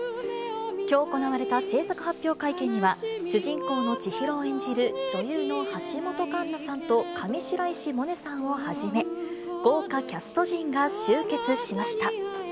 きょう行われた製作発表会見には、主人公の千尋を演じる、女優の橋本環奈さんと上白石萌音さんをはじめ、豪華キャスト陣が集結しました。